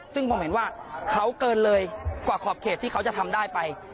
ซึ่งผมเห็นว่าเขาเกินเลยกว่าขอบเขตที่เขาจะทำได้ไป